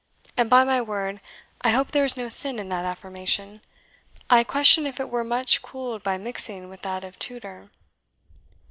And by my word I hope there is no sin in that affirmation I question if it were much cooled by mixing with that of Tudor."